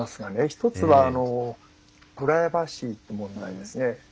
１つは、プライバシーという問題ですね。